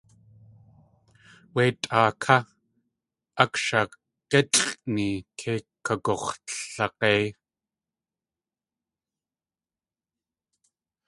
Wé tʼaa ká akshag̲ʼilʼni kei kagux̲lag̲éi.